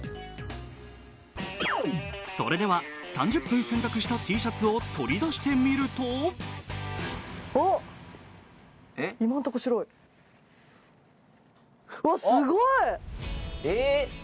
それでは３０分洗濯したＴシャツを取り出してみるとおっ今んとこ白いえっ？